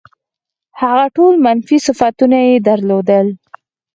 هغه ټول منفي صفتونه یې درلودل.